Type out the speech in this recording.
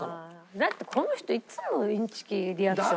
だってこの人いっつもインチキリアクション。